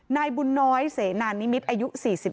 นายบุญน้อยเสนานนิมิตรอายุ๔๗